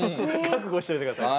覚悟しといてください。